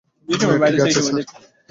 ঠিক আছে, স্যার!